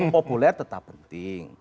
populer tetap penting